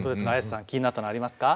Ａｙａｓｅさん気になったのありますか？